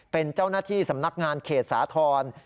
เป็นเจ้าหน้าที่สำนักงานเขตสาธรณ์